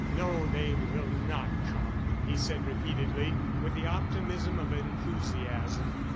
"No, they will not come," he said repeatedly, with the optimism of enthusiasm.